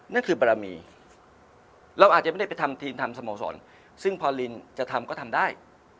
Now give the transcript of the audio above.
นั่นคือบารมีเราอาจจะไม่ได้ไปทำทีมทำสโมสรซึ่งพอลินจะทำก็ทำได้